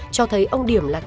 cho thấy ông điểm đã bị bắt